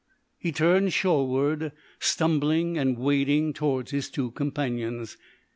He turned shoreward, stumbling and wading towards his two companions.